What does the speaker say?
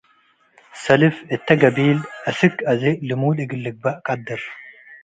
ሰልፍ እተ ገቢል አስክ አዜ ልሙድ እግል ልግበእ ቀድር።